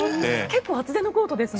結構厚手のコートですね。